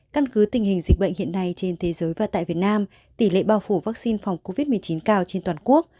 căn cứ tình hình dịch bệnh hiện nay trên thế giới và tại việt nam tỷ lệ bao phủ vaccine phòng covid một mươi chín cao trên toàn quốc